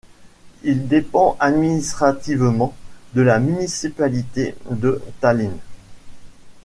Il dépend administrativement de la municipalité de Tallinn.